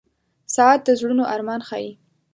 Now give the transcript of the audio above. • ساعت د زړونو ارمان ښيي.